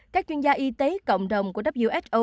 các chuyên gia y tế cộng đồng của who